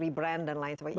rebrand dan lain lain